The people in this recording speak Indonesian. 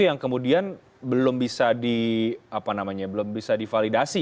yang kemudian belum bisa di validasi